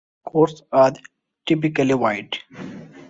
Courts are typically wide.